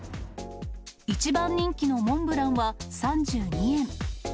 一番人気のモンブランは３２円。